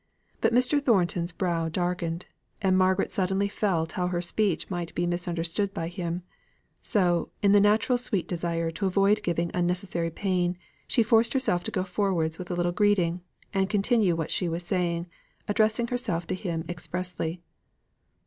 But Mr. Thornton's brow darkened; and Margaret suddenly felt how her speech might be misunderstood by him; so, in the natural sweet desire to avoid giving unnecessary pain, she forced herself to go forwards with a little greeting, and continue what she was saying, addressing herself to him expressly.